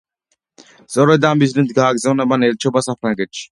სწორედ ამ მიზნით გააგზავნა მან ელჩობა საფრანგეთში.